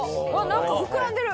何か膨らんでる。